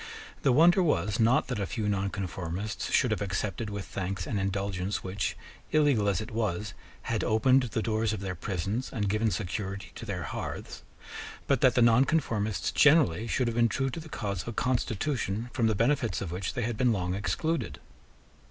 The wonder was, not that a few nonconformists should have accepted with thanks an indulgence which, illegal as it was, had opened the doors of their prisons and given security to their hearths, but that the nonconformists generally should have been true to the cause of a constitution from the benefits of which they had been long excluded.